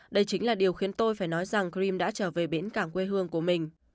đây chính là điều khiến tôi phải nói rằng crimea đã trở về biển cảng quê hương của mình